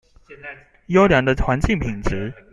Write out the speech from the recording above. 優良的環境品質